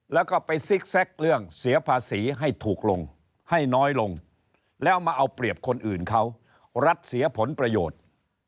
แล้วก็ไปซิกแซคเรื่องเสียภาษีให้ถูกลงให้น้อยลงแล้วมาเอาเปรียบคนอื่นเขารัฐเสียผลประโยชน์